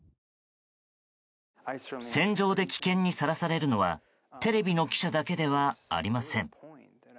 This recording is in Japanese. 戦場で危険にさらされるのはテレビの記者だけではありません。